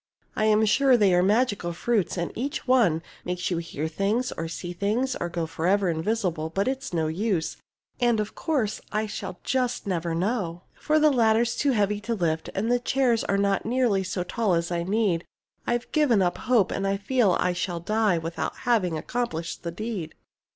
I am sure they are magical fruits, and each one Makes you hear things, or see things, or go Forever invisible; but it's no use, And of course I shall just never know. For the ladder's too heavy to lift, and the chairs Are not nearly so tall as I need. I've given up hope, and I feel I shall die Without having accomplished the deed.